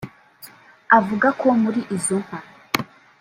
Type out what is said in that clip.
Avuga ko muri izo nka